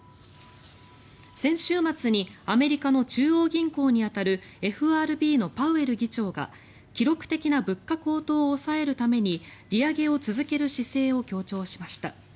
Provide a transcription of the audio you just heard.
先週末にアメリカの中央銀行に当たるＦＲＢのパウエル議長が記録的な物価高騰を抑えるために利上げを続ける姿勢を強調しました。